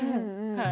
はい。